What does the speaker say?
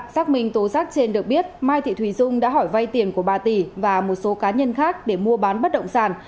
xác minh tố giác trên được biết mai thị thùy dung đã hỏi vay tiền của bà tỷ và một số cá nhân khác để mua bán bất động sản